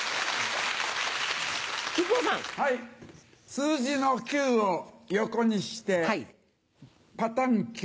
数字の「９」を横にしてパタンキュ。